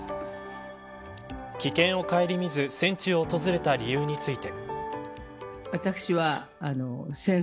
危険を顧みず戦地を訪れた理由について。